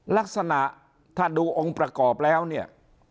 ลักษณะถ้าดูองค์ประกอบแล้วเนี่ย